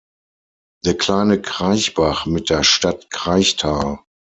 Der kleine Kraichbach mit der Stadt Kraichtal.